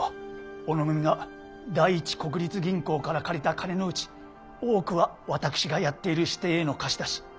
小野組が第一国立銀行から借りた金のうち多くは私がやっている支店への貸し出し。